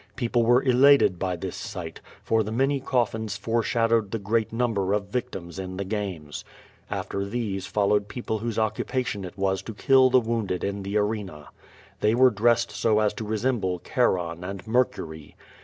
People were elated by this sight, for the many coffins fore shadowed the great number of victims in the games. After these followed people whose occupation it was to kill the wounded in the arena. They were dressed so as to resemble Charon and ]\Iercury.